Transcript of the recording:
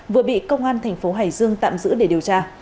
vừa bị công an thành phố hải dương tạm giữ để điều tra